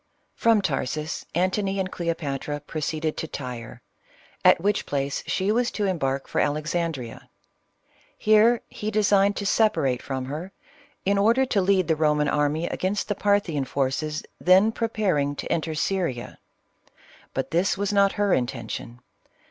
From Tarsus Antony and Cleopatra proceeded to Tyre, at which place she was to embark for Alexan drea. Here he designed to separate from her, in order to lead the Eoman army against the Parthian forces then preparing to 'enter Syria. But this was not her intention.